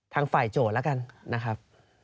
ทางฝ่ายโจทย์แล้วกันนะครับ